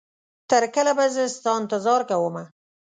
تر کله به زه ستا انتظار کومه